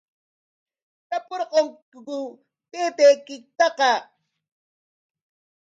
¿Tapurqankiku taytaykitaqa?